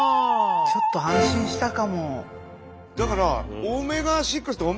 ちょっと安心したかも。